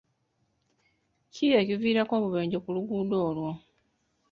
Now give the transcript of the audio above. Ki ekiviirako obubenje ku luguudo olwo?